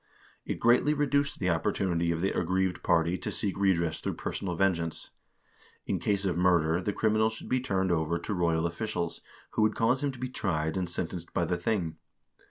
It greatly reduced the opportunity of the aggrieved party to seek redress through personal vengeance. In case of murder the criminal shouldjbe^^urned over to royal officials, who would cause him to be tried and sentenced by the thing.